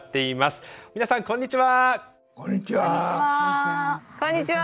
皆さんこんにちは！